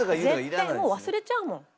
絶対もう忘れちゃうもん。